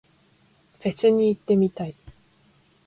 フェスに行ってみたい。